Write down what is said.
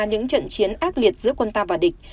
những trận chiến ác liệt giữa quân ta và địch